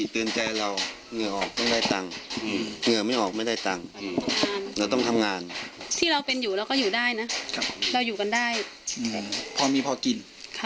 พอมีพอกิน